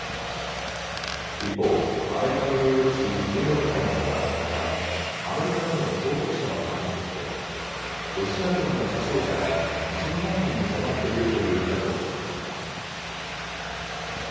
一方、アメリカの有力紙、ニューヨーク・タイムズは２日、アメリカなどの当局者の話として、ロシア軍の死傷者が２０万人に迫っているという見方を示しました。